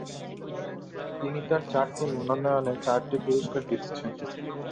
তিনি তার চারটি মনোনয়নের চারটি পুরস্কার জিতেছেন।